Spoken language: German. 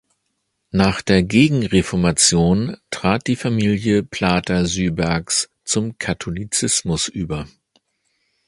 Nach der Gegenreformation trat die Familie Plater-Sybergs zum Katholizismus über.